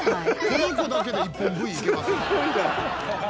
この子だけで１本Ｖいけますよ。